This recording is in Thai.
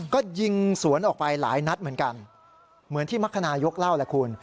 ก็ยิงสวนออกไปหลายนัดเหมือนกันเหมือนที่มรรคนายกเล่าแหละคุณ